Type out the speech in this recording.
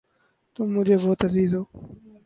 تم مجھے بہت عزیز ہو